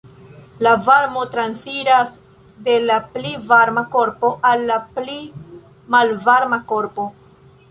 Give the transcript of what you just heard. La varmo transiras de la pli varma korpo al la pli malvarma korpo.